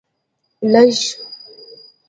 لږ